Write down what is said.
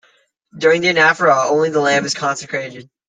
During the Anaphora, only the Lamb is consecrated.